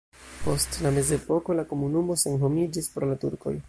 Post la mezepoko la komunumo senhomiĝis pro la turkoj.